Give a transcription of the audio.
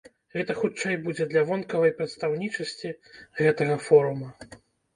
Гэта хутчэй будзе для вонкавай прадстаўнічасці гэтага форума.